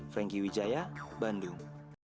frankie wijaya bandung